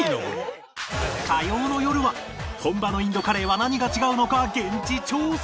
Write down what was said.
火曜のよるは本場のインドカレーは何が違うのか現地調査！